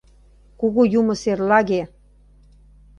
Кугу юмо серлаге!